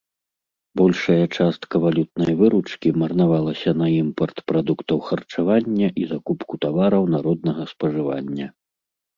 Большая частка валютнай выручкі марнавалася на імпарт прадуктаў харчавання і закупку тавараў народнага спажывання.